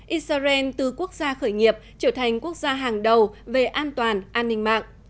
israel từ quốc gia khởi nghiệp trở thành quốc gia hàng đầu về an toàn an ninh mạng